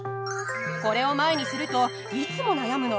これを前にするといつも悩むの。